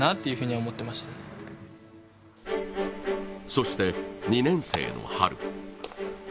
そして、２年生の春。